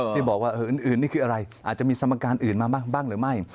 ที่บอกว่าอื่นนี่คืออะไรอาจจะมีสมการอื่นมาบ้างหรือไม่